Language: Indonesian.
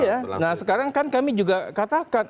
iya nah sekarang kan kami juga katakan